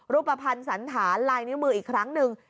รูปภัณฑ์สันฐานลายนิ้วมืออีกครั้งหนึ่ง